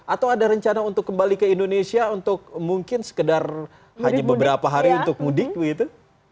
atau ada rencana untuk kembali ke indonesia untuk mungkin sekedar hanya beberapa hari untuk mudik begitu